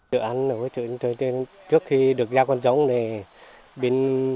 dự án hỗ trợ tiền tiền trước khi được giao con sống này